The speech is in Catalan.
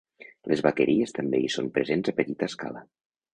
Les vaqueries també hi són presents a petita escala.